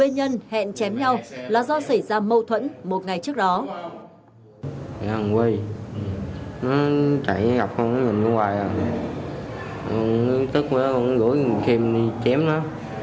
nhân hẹn chém nhau là do xảy ra mâu thuẫn một ngày trước đó